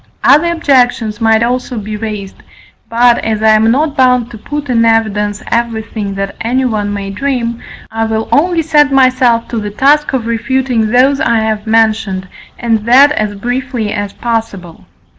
Other objections might also be raised, but, as I am not bound to put in evidence everything that anyone may dream, I will only set myself to the task of refuting those I have mentioned, and that as briefly as possible.